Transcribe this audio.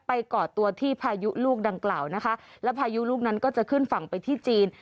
ก่อตัวที่พายุลูกดังกล่าวนะคะแล้วพายุลูกนั้นก็จะขึ้นฝั่งไปที่จีน